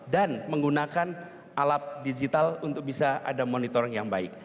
dan menggunakan alat digital untuk bisa ada monitoring yang baik